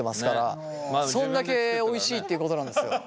そんだけおいしいっていうことなんですよ。